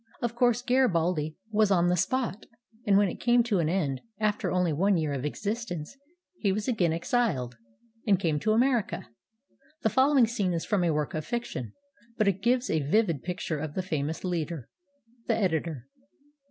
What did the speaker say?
Of course, Garibaldi was on the spot, and when it came to an end, after only one year of existence, he was again exiled, and came to America. The following scene is from a work of fiction, but it gives a vivid picture of the famous leader. The Editor.